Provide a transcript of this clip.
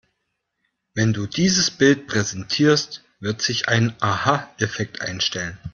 Wenn du dieses Bild präsentierst, wird sich ein Aha-Effekt einstellen.